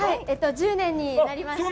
１０年になりました。